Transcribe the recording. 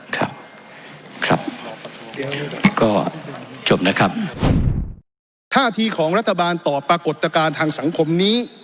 ครับครับก็จบนะครับท่าทีของรัฐบาลต่อปรากฏการณ์ทางสังคมนี้